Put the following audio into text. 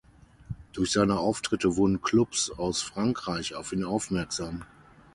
Durch seine Auftritte wurden Klubs aus Frankreich auf ihn aufmerksam.